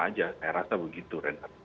sama aja saya rasa begitu ren